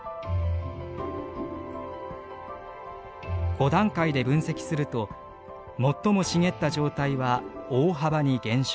５段階で分析すると最も茂った状態は大幅に減少。